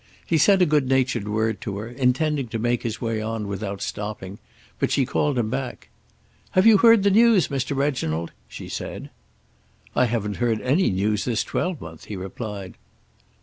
He said a good natured word to her, intending to make his way on without stopping, but she called him back. "Have you heard the news, Mr. Reginald?" she said. "I haven't heard any news this twelvemonth," he replied.